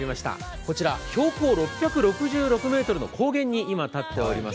こちら標高６６６ｍの高原に今、立っております。